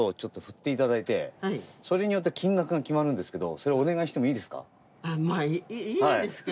それによって金額が決まるんですけどそれお願いしてもいいですか？